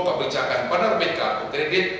kebijakan penerbit kartu kredit